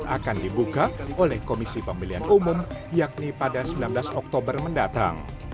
akan dibuka oleh komisi pemilihan umum yakni pada sembilan belas oktober mendatang